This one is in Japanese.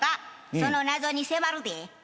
その謎に迫るで。